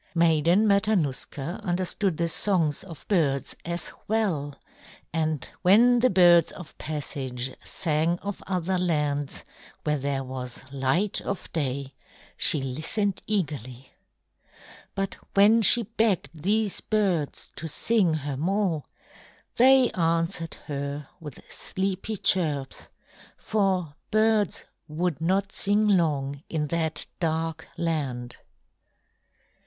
Maiden Matanuska understood the songs of birds as well, and when the birds of passage sang of other lands, where there was light of day, she listened eagerly. But when she begged these birds to sing her more, they answered her with sleepy chirps, for birds would not sing long in that dark land.